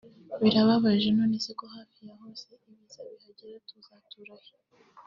Birababaje nonese kohafi yahose Ibiza bihagera tuzatura he